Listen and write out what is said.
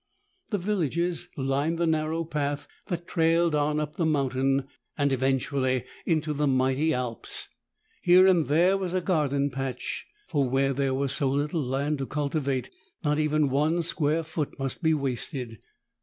The villages lined the narrow path that trailed on up the mountain and, eventually, into the mighty Alps. Here and there was a garden patch, for where there was so little land to cultivate, not even one square foot must be wasted.